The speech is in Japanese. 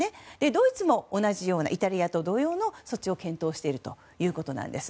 ドイツもイタリアと同様の措置を検討しているということです。